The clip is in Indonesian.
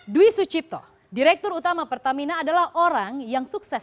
dwi sucipto direktur utama pertamina adalah orang yang sukses